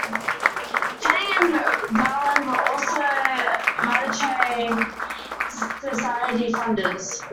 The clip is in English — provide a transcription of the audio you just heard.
Jennings and Rowland were also Mattachine Society founders.